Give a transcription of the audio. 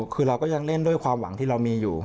คือเราก็ยังเล่นด้วยความหวังที่เรามีอยู่